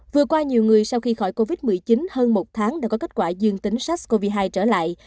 vừa qua nhiều người sau khi khỏi covid một mươi chín hơn một tháng đã có kết quả dương tính sars cov hai trở lại